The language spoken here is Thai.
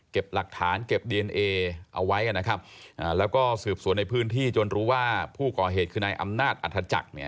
หลักฐานเก็บดีเอนเอเอาไว้นะครับแล้วก็สืบสวนในพื้นที่จนรู้ว่าผู้ก่อเหตุคือนายอำนาจอัธจักรเนี่ย